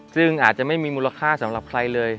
ซึ่งอาจจะไม่มีมูลค่าสำหรับใครเลย